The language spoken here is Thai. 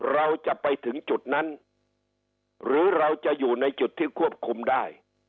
เราจะไปถึงจุดนั้นหรือเราจะอยู่ในจุดที่ควบคุมได้